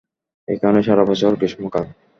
এখানে সারা বছর গ্রীষ্মকাল।